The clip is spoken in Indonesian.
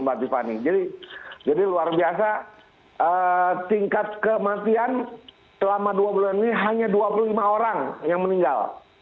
mbak tiffany jadi luar biasa tingkat kematian selama dua bulan ini hanya dua puluh lima orang yang meninggal